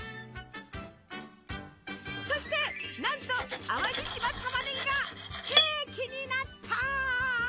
そしてなんと淡路島たまねぎがケーキになった！